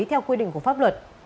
theo quy định của pháp luật